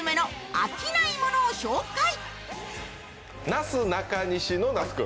なすなかにしの那須君。